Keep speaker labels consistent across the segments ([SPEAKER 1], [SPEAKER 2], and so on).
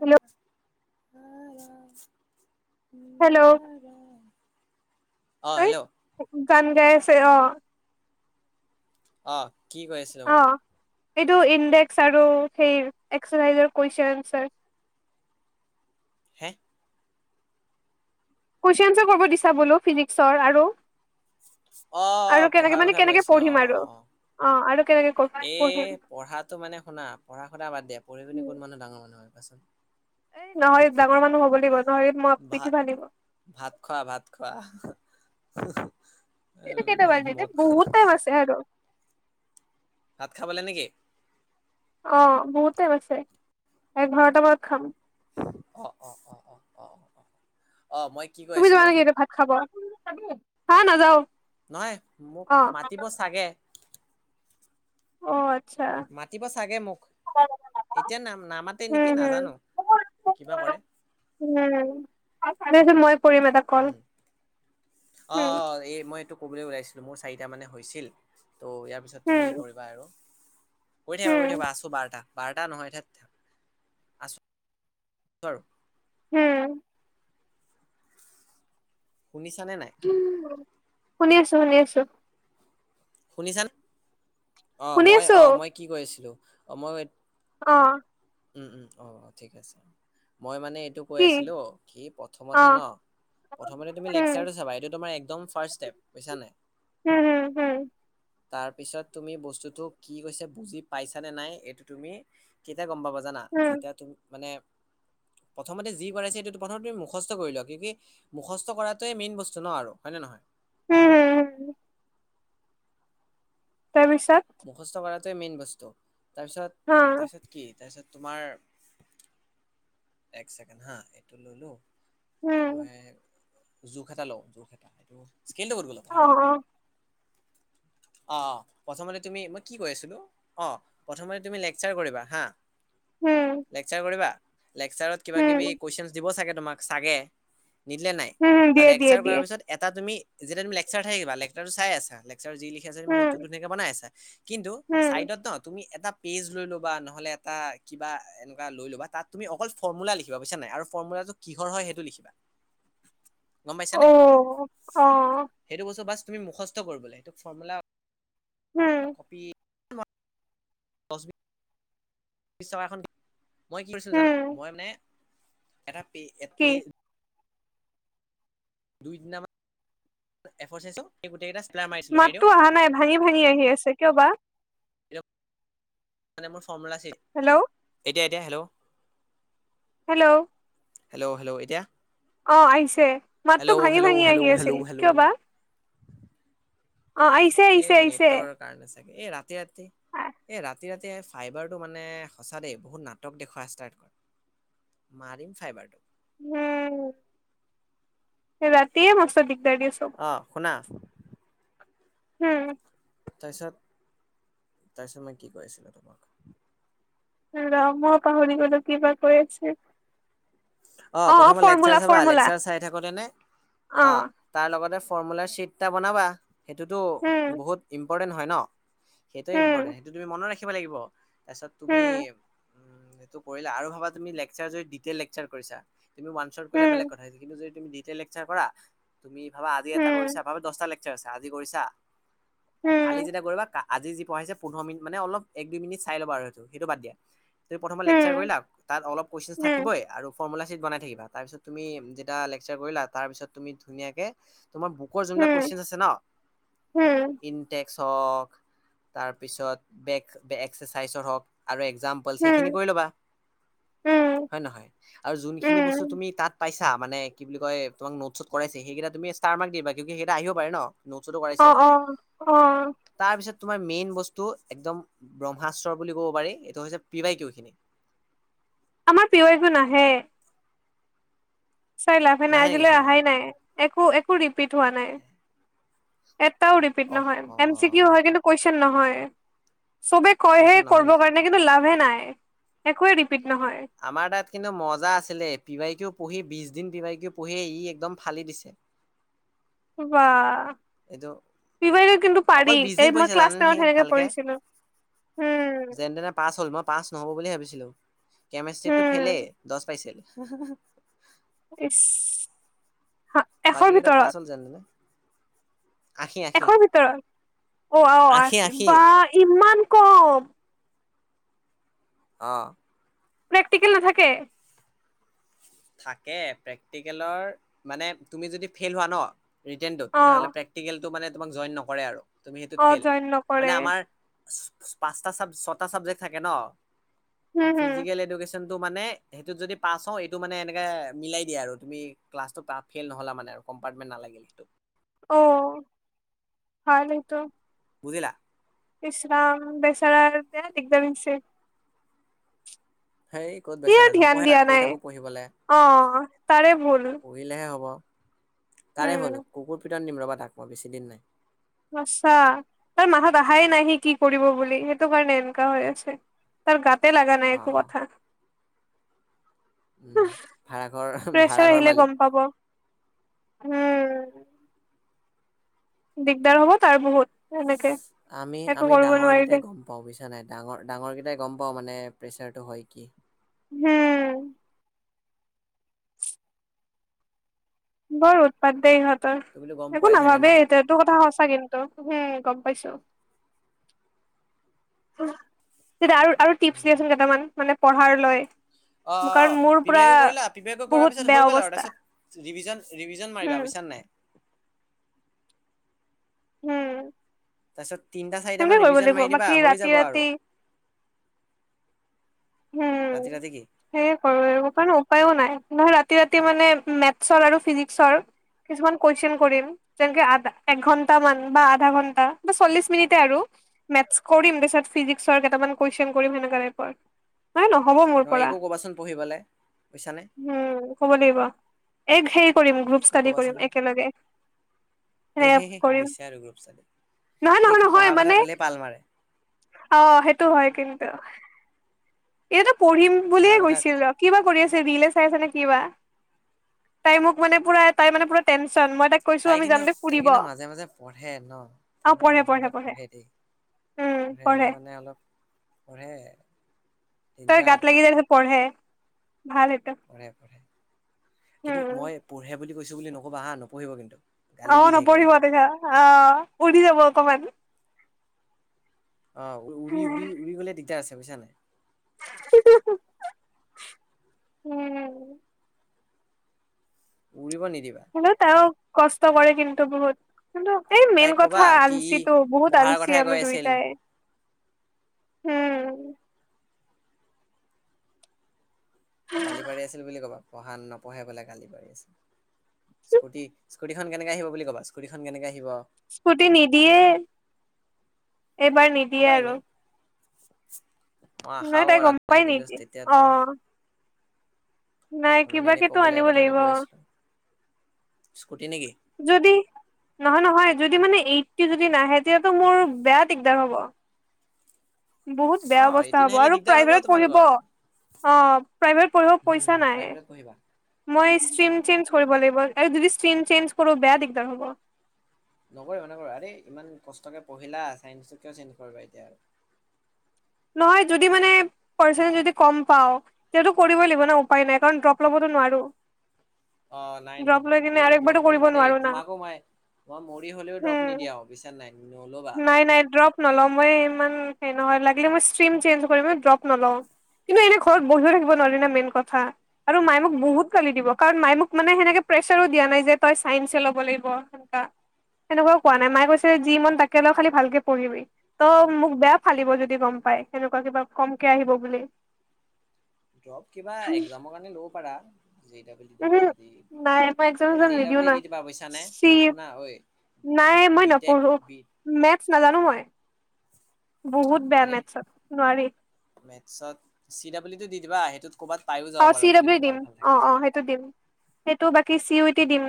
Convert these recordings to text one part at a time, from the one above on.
[SPEAKER 1] Hello hello,
[SPEAKER 2] অ
[SPEAKER 1] এই
[SPEAKER 2] hello
[SPEAKER 1] গান গাই আছে অ'।
[SPEAKER 2] অ', কি কৈ আছ
[SPEAKER 1] অ', এইটো ইণ্ডেক্স আৰু সেই এক্সাৰছাইজৰ কোৱেষ্টন এঞ্চাৰ।
[SPEAKER 2] হে?
[SPEAKER 1] কুৱেশ্যন এনচাৰ কৰিব দিছা বোলো ফিজিক্সৰ আৰু
[SPEAKER 2] অ অ
[SPEAKER 1] আৰু কেনেকে
[SPEAKER 2] পঢ়াৰ
[SPEAKER 1] মানে,
[SPEAKER 2] কথা কৈ
[SPEAKER 1] কেনেকে পঢ়িম আৰু? অ আৰু কেনেকে
[SPEAKER 2] এ
[SPEAKER 1] পঢ়িম
[SPEAKER 2] পঢ়াটো মানে শুনা পঢ়া-শুনা বাদ দিয়া, পঢ়ি পিনি কোন মানুহ ডাঙৰ মানুহ হয় কোৱাচোন?
[SPEAKER 1] এ নহয় ডাঙৰ মানুহ হ'ব লাগিব, নহলে মই
[SPEAKER 2] ভাত
[SPEAKER 1] পিঠি ফালিব।
[SPEAKER 2] ভাত খোৱা, ভাত খোৱা,
[SPEAKER 1] এতিয়া কেইটা বাজিলে
[SPEAKER 2] মদ
[SPEAKER 1] বহুত
[SPEAKER 2] [unintelligible]
[SPEAKER 1] [unintelligible]
[SPEAKER 2] ভাত খাবলে নেকি?
[SPEAKER 1] অ', বহুত টাইম আছে, এঘাৰটা মানত খাম।
[SPEAKER 2] অ', অ', অ', [unintelligible] অ', মই কি ক
[SPEAKER 1] তুমি যোৱা নেকি এতিয়া ভাত খাব, হা নাযাও।
[SPEAKER 2] নহয়, মোক
[SPEAKER 1] অ
[SPEAKER 2] মাতিব চাগে।
[SPEAKER 1] অ', আচ্ছা।
[SPEAKER 2] মাতিব চাগে মোক, এতিয়া নাম-নামাতে নেকি
[SPEAKER 1] উম
[SPEAKER 2] নাজানো। কিবা কৰে
[SPEAKER 1] [unintelligible] উম [unintelligible] মই কৰিম এটা কল।
[SPEAKER 2] উম
[SPEAKER 1] উম,
[SPEAKER 2] অ', অ', এই মই এইটো ক'বলৈ ওলাইছিলো, মোৰ চাৰিটা মানে হৈছিল। ত' ইয়াৰ পিছত তুমি
[SPEAKER 1] উম,
[SPEAKER 2] কৰিবা আৰু কৰি থাকিবা, কৰি
[SPEAKER 1] উম,
[SPEAKER 2] থাকিবা, আছো বাৰ বাৰটা নহয় এতিয়া [unintelligible]
[SPEAKER 1] উম।
[SPEAKER 2] শুনিছানে নাই?
[SPEAKER 1] উম, শুনি আছো, শুনি আছো।
[SPEAKER 2] শুনিছানে? অ',
[SPEAKER 1] শুনি
[SPEAKER 2] মই
[SPEAKER 1] আছো।
[SPEAKER 2] অ' কি কৈ আছিলো? অ', মই
[SPEAKER 1] অ'।
[SPEAKER 2] উম, উম। অ', অ', ঠিক আছে, মই মানে এইটো কৈ
[SPEAKER 1] কি?
[SPEAKER 2] আছিলো, কি প্ৰথমতে
[SPEAKER 1] অ',
[SPEAKER 2] ন' প্ৰথমতে তুমি
[SPEAKER 1] উম,
[SPEAKER 2] লেকচাৰটো চাবা এইটো তোমাৰ একদম ৰ্ফাষ্ট [unintelligible] বুইছা নাই?
[SPEAKER 1] হম, হম, হম।
[SPEAKER 2] তাৰপিছত তুমি বস্তুটো কি হৈছে বুজি পাইছানে নাই, এইটো তুমি কেতিয়া গম পাবা জানা?
[SPEAKER 1] উম,
[SPEAKER 2] যেতিয়া তুমি মানে প্ৰথমতে যি কৰাইছে সেইটো প্ৰথম তুমি মুখস্থ কৰি লোৱা, কিয় কি মুখস্থ কৰাটোৱে মেইন বস্তু ন' আৰু হয়নে নহয়?
[SPEAKER 1] হম, হম। তাৰপিছত?
[SPEAKER 2] মুখস্থ কৰাটোৱে মেইন বস্তু,
[SPEAKER 1] হা
[SPEAKER 2] তাৰপিছত তাৰপিছত কি তাৰপিছত তোমাৰ এক ছেকেণ্ড হা? এইটো ললো,
[SPEAKER 1] উম,
[SPEAKER 2] মই জোখ এটা লওঁ, জোখ এটা এইটো স্কেলটো ক'ত গ'ল আকৌ
[SPEAKER 1] অ',
[SPEAKER 2] আৰে
[SPEAKER 1] অ',
[SPEAKER 2] অ', প্ৰথমতে তুমি-মই কি কৈ আছিলো? অ', প্ৰথমতে তুমি লেকচাৰ কৰিবা হা?
[SPEAKER 1] উম,
[SPEAKER 2] লেকচাৰ কৰিবা? লেকচাৰত কিবা-কিবি
[SPEAKER 1] উম,
[SPEAKER 2] কুৱেশ্যন দিব ছাগে তোমাক ছাগে, নিদিলে নাই
[SPEAKER 1] উম,
[SPEAKER 2] আৰু
[SPEAKER 1] দিয়ে, দিয়ে,
[SPEAKER 2] লেকচাৰ
[SPEAKER 1] দিয়ে,
[SPEAKER 2] কৰাৰ পিছত এটা তুমি, যেতিয়া তুমি লেকচাৰ চাই থাকিবা। লেকচাৰটো চাই আছা, লেকচাৰে যি লিখি আছে তুমি
[SPEAKER 1] উম,
[SPEAKER 2] নোটতো ধুনীয়াকে বনাই আছা কিন্তু
[SPEAKER 1] উম,
[SPEAKER 2] চাইডত ন' তুমি এটা পেজ লৈ ল'বা, নহ'লে এটা কিবা এনেকুৱা লৈ ল'বা তাত তুমি অকল ফৰ্মুলা লিখিবা বুজিছা নাই আৰু ফৰ্মুলাটো কিহৰ হয় সেইটো লিখিবা। গম পাইছা নাই?
[SPEAKER 1] অ', অ',
[SPEAKER 2] সেইটো বস্তু বাচ তুমি মুখস্থ কৰিব লাগিব, সেইটো ফৰ্মুলা
[SPEAKER 1] উম,
[SPEAKER 2] কপি [unintelligible] দহ, বিছ টকা এখন মই কি কৰিছিলো জানা?
[SPEAKER 1] উম,
[SPEAKER 2] মই মানে, এটা পে এ
[SPEAKER 1] কি?
[SPEAKER 2] পে দুই তিনিটামান এ ফৰ চাইজৰ সেই গোটেই কেইটা চিলা মাৰি দিও
[SPEAKER 1] মাতটো অহা নাই, ভাঙি ভাঙি আহি আছে কিয় বা?
[SPEAKER 2] মানে মোৰ ফৰ্মূলা আছিল।
[SPEAKER 1] হেল্ল'!
[SPEAKER 2] এতিয়া এতিয়া হেল্ল?
[SPEAKER 1] হেল্ল।
[SPEAKER 2] হেল্ল! হেল্ল! এতিয়া?
[SPEAKER 1] অঁ আহিছে। মাতটো
[SPEAKER 2] হেল্ল'
[SPEAKER 1] ভাঙি
[SPEAKER 2] হেল্ল'
[SPEAKER 1] ভাঙি আহি
[SPEAKER 2] হেল্ল'
[SPEAKER 1] আছিল,
[SPEAKER 2] হেল্ল' হেল্ল'
[SPEAKER 1] কিয় বা? অ আহিছে আহিছে
[SPEAKER 2] এই
[SPEAKER 1] আহিছে
[SPEAKER 2] নেটৰ কাৰণে চাগে। এই ৰাতি ৰাতি এই ৰাত তি ৰাতি ফাইবাৰটো মানে সঁচা দেই বহুত নাটক দেখোৱা ষ্টাৰ্ট কৰে। মাৰিম ফাইবাৰটোক!
[SPEAKER 1] উম ৰাতিয়ে মস্ত দিগদাৰ দিয়ে সব।
[SPEAKER 2] অঁ শুনা।
[SPEAKER 1] হম।
[SPEAKER 2] তাৰপিছত তাৰপিছত মই কি কৈ আছিলো তোমাক?
[SPEAKER 1] ৰ মইয়ো পাহৰি গ'লো কি বা কৈ আছিল।
[SPEAKER 2] অঁ
[SPEAKER 1] অ অ
[SPEAKER 2] প্ৰথমত লেকচাৰ
[SPEAKER 1] ফৰ্মুলা
[SPEAKER 2] চাবা,
[SPEAKER 1] ফৰ্মুলা
[SPEAKER 2] লেকচাৰ চাই থাকোঁতে নে
[SPEAKER 1] অ
[SPEAKER 2] অঁ তাৰ লগতে ফৰ্মুলাৰ চিট এটা বনাবা, সেইটোতো
[SPEAKER 1] উম
[SPEAKER 2] বহুত ইম্পৰ্টেণ্ট হয় ন। সেইটোৱে
[SPEAKER 1] উম
[SPEAKER 2] ইম্পৰ্টেণ্ট, সেইটো তুমি মনত ৰাখিব লাগিব। তাৰপিছত তুমি
[SPEAKER 1] উম
[SPEAKER 2] উম, সেইটো কৰিলা আৰু ভাবা তুমি লেকচাৰ যদি ডিটেইল লেকচাৰ কৰিছা তুমি ৱানছট কৰিলে বেলেগ কথা হৈছিল, কিন্তু যদি তুমি ডিটেইল লেকচাৰ কৰা, তুমি ভাবা আজি
[SPEAKER 1] উম
[SPEAKER 2] এটা
[SPEAKER 1] উম
[SPEAKER 2] কৰিছা, ভাবা দছটা লেক চাৰ আছে আজি কৰিছা,
[SPEAKER 1] উম
[SPEAKER 2] কালি যেতিয়া কৰিবা কা আজি যি পঢ়াইছে পোন্ধৰ মিনিট মানে অলপ এক, দুই মিনিট চাই ল'ব আৰু সেইটো, সেইটো বাদ দিয়া। তুমি প্ৰথমে লেকচাৰ
[SPEAKER 1] উম
[SPEAKER 2] কৰিলা, তাত অলপ কুৱেশ্বন
[SPEAKER 1] উম
[SPEAKER 2] থাকিবই আৰু ফৰ্মূলা চিট বনাই থাকিবা, তাৰপিছত তুমি যেতিয়া লেকচাৰ কৰিলা, তাৰপিছত তুমি ধুনীয়াকে, তোমাৰ বু কৰ যোনবিলাক কুৱেশ্যন
[SPEAKER 1] উম
[SPEAKER 2] আছে ন,
[SPEAKER 1] উম
[SPEAKER 2] ইন টেক্স হওঁক, তাৰপিছত বেক এক্সেচাইজৰ হওঁক আৰু একজাম পলছ
[SPEAKER 1] উম
[SPEAKER 2] সেইখিনি কৰি ল'বা।
[SPEAKER 1] উম
[SPEAKER 2] হয়নে নহয়? আৰু যোনখিনি বস্তু
[SPEAKER 1] উম
[SPEAKER 2] তুমি মি তাত পাইছা মানে, কি বুলি কয়? তোমাক নোটছ চোটছ কৰাইছে, সেইকেইটা তুমি ষ্টাৰ মাৰ্ক দিবা, কিউকি সেইকেইটা আহিব পাৰে ন। নোটছটো
[SPEAKER 1] অ
[SPEAKER 2] কৰাইছে।
[SPEAKER 1] অ অ
[SPEAKER 2] তাৰপিছত তোমাৰ মেইন বস্তু একদম ব্ৰহ্মাস্ত্ৰ বুলি ক'ব পাৰি, এইটো হৈছে পি ৱাই কিউখিনি।
[SPEAKER 1] আমাৰ পি ৱাই কিউ নাহে। চাই লাভে নাই,
[SPEAKER 2] নাহে নেকি
[SPEAKER 1] আজিলৈ
[SPEAKER 2] চেৰাত
[SPEAKER 1] অহাই নাই, একো-একো ৰিপিট হোৱা নাই। এটাও ৰিপিট
[SPEAKER 2] অহ
[SPEAKER 1] নহয়। এম চি কিউ হয়, কিন্তু কুৱেশ্যন নহয়, চবে কয় হে
[SPEAKER 2] কুৱেশ্যন নহয়
[SPEAKER 1] কৰিব
[SPEAKER 2] নেকি
[SPEAKER 1] কাৰণে, কিন্তু লাভে নাই, একোৱে ৰিপিট নহয়।
[SPEAKER 2] আমাৰ তাত কিন্তু মজা আছিলে। পি ৱাই কিউ পঢ়ি বিছ দিন পি ৱাই কিউ পঢ়িয়ে ই একদম ফালি দিছে।
[SPEAKER 1] বাহ!
[SPEAKER 2] এইটো
[SPEAKER 1] পি ৱাই কিউ কিন্তু পাৰি
[SPEAKER 2] অকল বিশ
[SPEAKER 1] এই
[SPEAKER 2] দিন
[SPEAKER 1] মই
[SPEAKER 2] পঢ়িছে
[SPEAKER 1] ক্লাছ
[SPEAKER 2] জানেনে
[SPEAKER 1] টেনত
[SPEAKER 2] সি
[SPEAKER 1] সেনেকে
[SPEAKER 2] ভালকে
[SPEAKER 1] পঢ়িছিলো। উম
[SPEAKER 2] যেনে তেনে পাছ হ'ল, মই পাচ নহ'ব বুলি ভাবিছিলো। কেমেষ্টষ্ট্ৰিটো, ফেলেই
[SPEAKER 1] উম
[SPEAKER 2] দছ পাইছিল।
[SPEAKER 1] ইচ! হা এশৰ
[SPEAKER 2] বাকী কেইটাত পাছ
[SPEAKER 1] ভিতৰত
[SPEAKER 2] হল যেন তেনে। আশী আশী।
[SPEAKER 1] এশৰ ভিতৰত? অ আও
[SPEAKER 2] আশী
[SPEAKER 1] আহ
[SPEAKER 2] আশী
[SPEAKER 1] বা ইমান কম
[SPEAKER 2] অ'।
[SPEAKER 1] প্ৰেক্টিকেল নাথাকে?
[SPEAKER 2] থাকে প্ৰেকটিকেলৰ মানে তুমি যদি ফেইল হোৱা ন' ৰিটেনটো
[SPEAKER 1] অ
[SPEAKER 2] তেতেয়াহলে প্ৰেক প্ৰেকক্টিলেটো তোমাক জইন নকৰে আৰু তুমি সেইটোত
[SPEAKER 1] অ
[SPEAKER 2] ফেইল,
[SPEAKER 1] জইন
[SPEAKER 2] মানে
[SPEAKER 1] নকৰে
[SPEAKER 2] আমাৰ পাঁচটা চাব ছটা ছাবজেক্ট থাকে ন,
[SPEAKER 1] হম হম
[SPEAKER 2] ফিজিকেল এডোগ্ৰেছ মানে সেইটোত যদি পাছ হও সটো মানে এনেকে মিলাই দিয়ে আৰু তুমি ক্লছটো তা ফেইল নহলা মানে আৰু কম্পাৰ্টমেণ্ট নালাগিল সেইটো।
[SPEAKER 1] অ' ভাল এইটো।
[SPEAKER 2] বুজিলা?
[SPEAKER 1] ইছৰাম বেছেৰা [unintelligible]
[SPEAKER 2] হেই ক'ত
[SPEAKER 1] কিয়
[SPEAKER 2] বেচাৰা
[SPEAKER 1] ধ্যান
[SPEAKER 2] নপঢ়ে
[SPEAKER 1] দিয়া
[SPEAKER 2] তাক কৈ
[SPEAKER 1] নাই
[SPEAKER 2] থাকো পঢ়িবলৈ
[SPEAKER 1] অ তাৰে ভুল
[SPEAKER 2] পঢ়িলেহে হ'ব, তাৰে ভু'ল
[SPEAKER 1] উম
[SPEAKER 2] কুকুৰ পিতন দিম ৰ'বা তাক মই বেছি দিন নাই।
[SPEAKER 1] আচছা তাৰ মাঠাত আহাই নাই সি কি কৰিব বুলি সেইটো কাৰণে এনেকা হৈ আছে। তাৰ গাতে লাগা নাই
[SPEAKER 2] অ
[SPEAKER 1] একো
[SPEAKER 2] অ
[SPEAKER 1] কথা।
[SPEAKER 2] উম ভাড়াঘৰ
[SPEAKER 1] প্ৰেছৰা
[SPEAKER 2] ভাড়াঘৰ
[SPEAKER 1] আহিলে
[SPEAKER 2] মালিক
[SPEAKER 1] গম পাব, উম। দিগদাৰ হ'ব তাৰ বহুত এনেকে একো কৰিব নোৱাৰিলে।
[SPEAKER 2] বুইছানে ডাঙৰ ডাঙৰ কেইটাই গম পাওঁ মানে প্ৰেছাৰতটো হয় কি।
[SPEAKER 1] হুম। বৰ উৎপাত দে ইহঁতৰ,
[SPEAKER 2] তুমিতো গম
[SPEAKER 1] একো
[SPEAKER 2] পোৱাই চাগে ন
[SPEAKER 1] নাভাবেই। এইটো কথা সঁচা কিন্তু হুম গম পাইছো। আৰু-আৰু টিপছ দিয়াচোন কেইটামান মানে পঢ়াৰ লৈ।
[SPEAKER 2] অ',
[SPEAKER 1] কাৰণ
[SPEAKER 2] অ',
[SPEAKER 1] মোৰ পুৰা
[SPEAKER 2] পিবাইকো কৰিলা পিবাইক কৰাৰ
[SPEAKER 1] বহুত
[SPEAKER 2] পিছত
[SPEAKER 1] বেয়া
[SPEAKER 2] হৈ গ'ল আৰু
[SPEAKER 1] অৱস্থা
[SPEAKER 2] তাৰপিছত ৰিভিজন-ৰিভিজন মাৰিবা
[SPEAKER 1] উম
[SPEAKER 2] বুছানে নাই।
[SPEAKER 1] হুম।
[SPEAKER 2] তাৰপিছত তিনটা চাৰিট মান ৰিভিজন মাৰি দিবা
[SPEAKER 1] বাকী
[SPEAKER 2] হৈ
[SPEAKER 1] ৰাতি
[SPEAKER 2] যাব
[SPEAKER 1] ৰাতি
[SPEAKER 2] আৰু। ৰাতি ৰাতি কি?
[SPEAKER 1] সেয় কৰো কাৰন উপায়ো নাই নহয় ৰাতি ৰাতি মানে মেথছৰ আৰু ফিজিক্সৰ কিছুমান কুৱেশচন কৰিম। তেনেকে আধা এক ঘন্টা মান বা আধা ঘন্টা বা চল্লিশ মিনিট আৰু। মেথছ কৰিম তাৰপিছত ফিজিক্সৰ কেইামান কুৱেশন কৰিম সেনেকা টাইপৰ। নাই নহব মোৰ
[SPEAKER 2] নহয়
[SPEAKER 1] পৰা,
[SPEAKER 2] একো ক'বাচোন পঢ়িবলে বুজিছানে
[SPEAKER 1] উম হবদে বা। এক হেৰি কৰিম গ্ৰুপ
[SPEAKER 2] একো
[SPEAKER 1] ষ্টাডি
[SPEAKER 2] ক'বাচোন
[SPEAKER 1] কৰিম একেলগে।
[SPEAKER 2] এ হে
[SPEAKER 1] নেপ
[SPEAKER 2] হে
[SPEAKER 1] কৰিম,
[SPEAKER 2] হৈছে আৰু গ্ৰুপ ষ্টাডি
[SPEAKER 1] নহয়
[SPEAKER 2] এই
[SPEAKER 1] নহয়
[SPEAKER 2] পঢ়া
[SPEAKER 1] নহয়
[SPEAKER 2] কথা
[SPEAKER 1] মানে
[SPEAKER 2] ক'লে পাল মাৰে
[SPEAKER 1] অ' সেইটো হয় কিন্তু, এইতো পঢ়িম বুলিয়ে
[SPEAKER 2] পঢ়া কথা
[SPEAKER 1] গৈছিল ৰ কিবা কৰি আছে ৰিলে চাই আছে নে কিবা, তাই মোক মানে পুৰা তাই মানে পুৰা টেনচন মই তাক কৈছো
[SPEAKER 2] তাই
[SPEAKER 1] আমি
[SPEAKER 2] কিন্তু
[SPEAKER 1] যাম দে
[SPEAKER 2] তাই
[SPEAKER 1] ফুৰিব।
[SPEAKER 2] কিন্তু মাজে মাজে পঢ়ে ন তাই কিন্তু মাজে মাজে পঢ়ে দেই, পঢ়ে মই মানে অলপ পঢ়ে।
[SPEAKER 1] তাৰ
[SPEAKER 2] ডেঞ্জাৰ
[SPEAKER 1] গাত লাগিযে পঢ়ে, ভাল সেইটো।
[SPEAKER 2] পঢ়ে পঢ়ে, কিন্তু
[SPEAKER 1] উম
[SPEAKER 2] মই পঢ়ে বুলি কৈছোঁ বুলি নক'বা হা নপঢ়িব কিন্তু। গালি
[SPEAKER 1] অ'
[SPEAKER 2] দি থাকিবা এনি
[SPEAKER 1] নপঢ়িব
[SPEAKER 2] টাইম
[SPEAKER 1] আহ উৰি যাব অকমান।
[SPEAKER 2] অ' উৰি-উৰি-উৰি গ'লে দিগদাৰ আছে বুইছানে নাই।
[SPEAKER 1] উম।
[SPEAKER 2] উৰিব নিদিবা।
[SPEAKER 1] হ'লেও তায়ো কষ্ট কৰে কিন্তু বহুত। কিন্তু এই
[SPEAKER 2] তাইক
[SPEAKER 1] মেইন
[SPEAKER 2] কবা
[SPEAKER 1] কথা
[SPEAKER 2] কি ই
[SPEAKER 1] আলচিটো বহুত
[SPEAKER 2] পঢ়াৰ
[SPEAKER 1] আলচি
[SPEAKER 2] কথাই কৈ
[SPEAKER 1] আমি
[SPEAKER 2] আছিল
[SPEAKER 1] দুইটাই। হুম।
[SPEAKER 2] গালি পাৰি আছিল বুলি ক'বা, পঢ়া নপঢ়ে পেলাই গালি পাৰি আছিল। স্কুটি, স্কুটীখন কেনেকে আহিব বুলি কবা স্কুটিখন কেনেকে আহিব
[SPEAKER 1] স্কুটি নিদিয়ে। এইবাৰ নিদিয়ে
[SPEAKER 2] ক'বা
[SPEAKER 1] আৰু
[SPEAKER 2] এনেই। মই
[SPEAKER 1] নাই
[SPEAKER 2] আশাও
[SPEAKER 1] তাই
[SPEAKER 2] কৰা
[SPEAKER 1] গম
[SPEAKER 2] নাই
[SPEAKER 1] পাই
[SPEAKER 2] কিন্তু
[SPEAKER 1] নিদিয়ে অ
[SPEAKER 2] তেতিয়াতো
[SPEAKER 1] নাই
[SPEAKER 2] মানে এনেই
[SPEAKER 1] কিবাকেতো আনিব
[SPEAKER 2] ক'বলগীয়া কথাটো
[SPEAKER 1] লাগিব
[SPEAKER 2] কৈ আছিলো স্কুটি নেকি
[SPEAKER 1] যদি নহয় নহয় যদি মানে এইটটি যদি নাহে তেতিয়াতো মোৰ বেয়া দিগদাৰ হ'ব।
[SPEAKER 2] [inaudible]
[SPEAKER 1] বহুত
[SPEAKER 2] অ
[SPEAKER 1] বেয়া অৱস্থা
[SPEAKER 2] এইটিন
[SPEAKER 1] হ'ব
[SPEAKER 2] আহিলে
[SPEAKER 1] আৰু
[SPEAKER 2] দিগদাৰ হ'ব
[SPEAKER 1] প্ৰাইভেট পঢ়িব।
[SPEAKER 2] তোমালোকৰ
[SPEAKER 1] অ' প্ৰাইভেটত পঢ়িব
[SPEAKER 2] হুম
[SPEAKER 1] পইচা নাই
[SPEAKER 2] প্ৰাইভেটত পঢ়িবা
[SPEAKER 1] মই ষ্ট্ৰিম চেঞ্জ কৰিব লাগিব। আৰু যদি ষ্ট্ৰিম চেঞ্জ কৰো বেয়া দিগদাৰ হ'ব।
[SPEAKER 2] নকৰিবা, নকৰিবা আৰে ইমান কষ্টকে পঢ়িলা ছাইন্সটো কিয় চেঞ্জ কৰিবা এতিয়া আৰু।
[SPEAKER 1] নহয় যদি মানে পাৰ্চেটিজ যদি কম পাওঁ। তেতিয়াটো কৰিবই লাগিব ন উপায় নাই কাৰণ ড্ৰপ ল'বতো নোৱাৰো।
[SPEAKER 2] অ' নাই, নাই,
[SPEAKER 1] ড্ৰপ
[SPEAKER 2] নাই,
[SPEAKER 1] লৈ
[SPEAKER 2] নাই
[SPEAKER 1] কিনে
[SPEAKER 2] এই
[SPEAKER 1] আৰু
[SPEAKER 2] ড্ৰপ
[SPEAKER 1] একবাৰতো কৰিব
[SPEAKER 2] নল'বা দেই,
[SPEAKER 1] নোৱাৰো না।
[SPEAKER 2] তোমাকো মাই মই মৰি হ'লেও ড্ৰপ
[SPEAKER 1] উম।
[SPEAKER 2] নিদিয়াও। বুজিছা নাই নল'বা।
[SPEAKER 1] নাই নাই ড্ৰপ নলওঁ মই ইমান হেৰি নহয় লাগিলে মই ষ্ট্ৰ্ৰীম চেঞ্জ কৰিম, কিন্তু মই ড্ৰপ নলওঁ। কিন্তু এনে ঘৰত বহিও থাকিব নোৱাৰি না মেইন কথা। আৰু মাই মোক বহুত গালি দিব কাৰণ মাই মোক মানে সেনেকে প্ৰেছাৰো দিয়া নাই যে তই চাইন্সে ল'ব লাগিব। সেনকা সেনেকুৱাও কোৱা নাই মায়ে কৈছিলে যি মন তাকে ল খালী ভালকে পঢ়িবি ত মোক বেয়া ফালিব যদি গম পাই সেনেকুৱা কিবা কমকে আহিব বুলি।
[SPEAKER 2] ড্ৰপ কিবা একজামৰ কাৰণে ল'ব পাৰা জে দাবল ই
[SPEAKER 1] উহো।
[SPEAKER 2] দিবা যদি
[SPEAKER 1] নাই মই একজাম
[SPEAKER 2] এ
[SPEAKER 1] চেকজাম
[SPEAKER 2] জে
[SPEAKER 1] নিদিও
[SPEAKER 2] দাবল ই
[SPEAKER 1] না
[SPEAKER 2] দি দিবা বুজিছানে
[SPEAKER 1] চি
[SPEAKER 2] শুনা ঐ
[SPEAKER 1] নাই মই
[SPEAKER 2] বি টেক
[SPEAKER 1] নপঢ়ো।
[SPEAKER 2] বি
[SPEAKER 1] মেথছ নাজানো মই বহুত বেয়া
[SPEAKER 2] আৰে
[SPEAKER 1] মেথছত নোৱাৰি।
[SPEAKER 2] মেথছত চি ডাবল ইটো দি দিবা সেইটোত ক'ৰবাত পায়ো যাব
[SPEAKER 1] অ'
[SPEAKER 2] পাৰা
[SPEAKER 1] চি
[SPEAKER 2] যদি
[SPEAKER 1] ডাবিলিও
[SPEAKER 2] কপাল
[SPEAKER 1] দিম
[SPEAKER 2] ভাল থাকে
[SPEAKER 1] অ', অ' সেইটো দিম। সেইটো বাকী চিইউটি দিম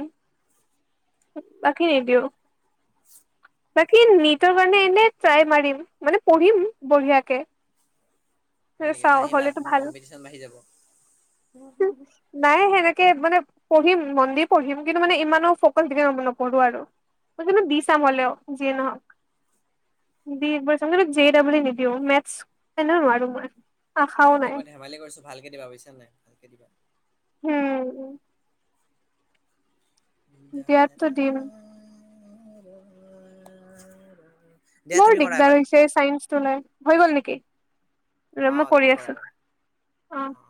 [SPEAKER 1] বাকী নিদিওঁ।
[SPEAKER 2] [inaudible]
[SPEAKER 1] বাকী নিটৰ কাৰণে এনে ট্ৰাই মাৰিম মানে পঢ়িম
[SPEAKER 2] হয়
[SPEAKER 1] বঢ়িয়াকে।
[SPEAKER 2] নেকি
[SPEAKER 1] চাও
[SPEAKER 2] নাহিবা
[SPEAKER 1] হ'লেটো
[SPEAKER 2] মোৰ
[SPEAKER 1] ভাল।
[SPEAKER 2] বাঢ়ি কম্পিটিশ্যন যাব [unintelligible]
[SPEAKER 1] নাই সেনেকে মানে পঢ়িম, মন দি পঢ়িম কিন্তু মানে ইমানো ফকাচ দি নপঢো় আৰু। মই কিন্তু দি চাম হ'লেও যিয়ে নহওক। দি একবাৰ চাম কিন্তু জে ডাবিলিও ই নিদিওঁ মেথছ এনেও নোৱাৰো মই। আশাও
[SPEAKER 2] ঐ
[SPEAKER 1] নাই
[SPEAKER 2] মই ধেমালি কৰিছো ভালকে দিবা বুজিছা নাই ভালকে দিবা।
[SPEAKER 1] হুম। দিয়াতো দিম
[SPEAKER 2] [unintelligible]
[SPEAKER 1] বৰ
[SPEAKER 2] তুমি কৰা
[SPEAKER 1] দিগদাৰ
[SPEAKER 2] এবাৰ
[SPEAKER 1] হৈছে চাইন্সটো লৈ, হৈ গ'ল নেকি ৰ
[SPEAKER 2] অ
[SPEAKER 1] মই
[SPEAKER 2] তুমি
[SPEAKER 1] কৰি
[SPEAKER 2] কৰা
[SPEAKER 1] আছো
[SPEAKER 2] এবাৰ
[SPEAKER 1] অ'।
[SPEAKER 2] অ।